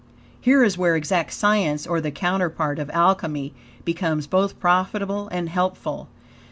Here is where exact science, or the counterpart of Alchemy, becomes both profitable and helpful.